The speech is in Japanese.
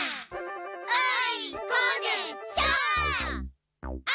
あいこでしょ！